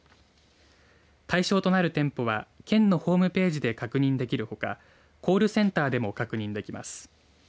対象となる店舗は県のホームページで確認できるほかコールセンターでも確認できます。